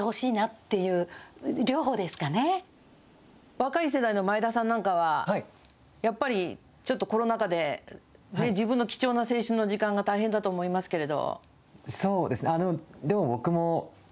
若い世代の前田さんなんかは、やっぱりちょっとコロナ禍で、自分の貴重な青春の時間が大変だと思いますけれど。